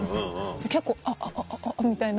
で結構「あっあっ」みたいな。